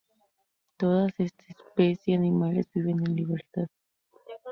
Todas este especies animales viven en libertad.